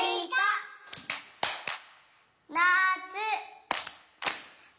「なつ」。